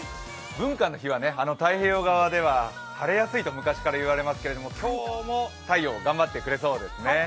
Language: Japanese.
文化の日は太平洋側では晴れやすいと昔から言われますけれども今日も太陽、頑張ってくれそうですね。